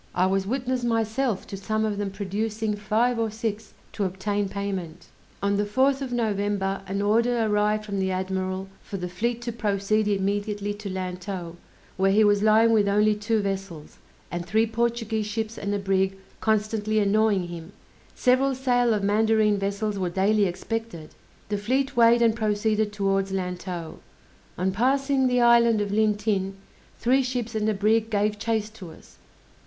I was witness myself to some of them producing five or six to obtain payment! On the 4th of November an order arrived from the admiral for the fleet to proceed immediately to Lantow, where he was lying with only two vessels, and three Portuguese ships and a brig constantly annoying him; several sail of mandarine vessels were daily expected. The fleet weighed and proceeded towards Lantow. On passing the island of Lintin, three ships and a brig gave chase to us.